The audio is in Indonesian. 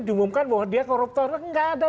diumumkan bahwa dia koruptornya nggak ada